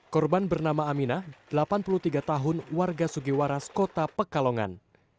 korban bernama aminah delapan puluh tiga tahun warga sugiwaras kota pekalongan